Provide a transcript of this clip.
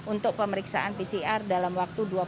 untuk pemeriksaan pcr dalam waktu dua puluh empat jam